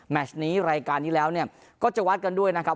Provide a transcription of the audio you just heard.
แม่ชนี้รายการที่แล้วเนี่ยก็จะวัดกันด้วยนะครับ